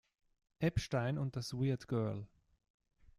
Epstein und das Weird girl.